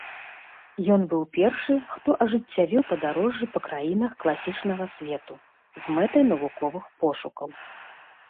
Ён быў першы, хто ажыццявіў падарожжы па краінах класічнага свету з мэтай навуковых пошукаў.